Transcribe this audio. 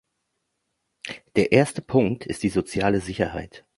Der erste Punkt ist die soziale Sicherheit.